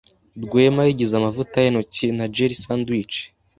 Rwema yigize amavuta yintoki na jelly sandwich.